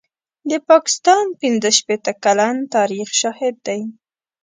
د پاکستان پنځه شپېته کلن تاریخ شاهد دی.